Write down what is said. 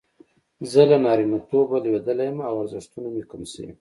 زه له نارینتوبه لویدلی یم او ارزښتونه مې کم شوي.